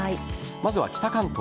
まずは北関東。